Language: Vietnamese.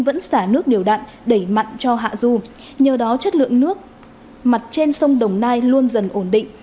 vẫn xả nước điều đạn đẩy mặn cho hạ du nhờ đó chất lượng nước mặt trên sông đồng nai luôn dần ổn định